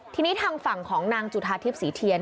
ทีนี้ทางฝั่งของนางจุธาทิพย์ศรีเทียน